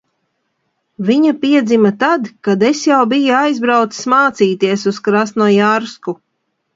Viņa piedzima tad, kad es jau biju aizbraucis mācīties uz Krasnojarsku.